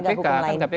memacu terutama kpk